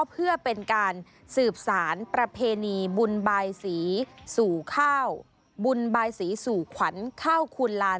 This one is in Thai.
เพื่อเป็นการสืบสารประเพณีบุญบายสีสู่ข้าวบุญบายสีสู่ขวัญข้าวคูณลาน